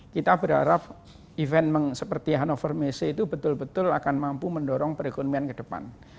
kita berharap event seperti hannover messe itu betul betul akan mampu mendorong perekonomian ke depan